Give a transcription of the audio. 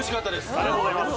ありがとうございます